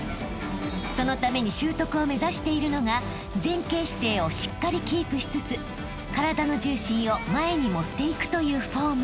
［そのために習得を目指しているのが前傾姿勢をしっかりキープしつつ体の重心を前に持っていくというフォーム］